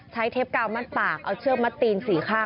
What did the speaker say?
เทปกาวมัดปากเอาเชือกมัดตีนสี่ข้าง